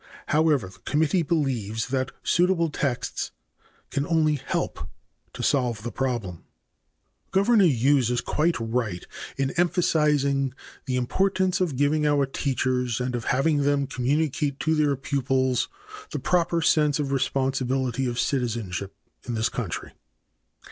However the committee believes that suitable texts can only help to solve the problem. Governor Hughes is quite right in emphasizing "the importance of giving our teachers and of having them communicate to their pupils the proper sense of responsibility of citizenship in this country."